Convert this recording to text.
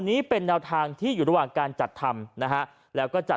นี้เป็นแนวทางที่อยู่ระหว่างการจัดทำนะฮะแล้วก็จัด